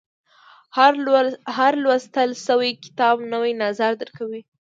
• هر لوستل شوی کتاب، نوی نظر درکوي.